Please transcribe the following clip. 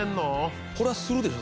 これはするでしょ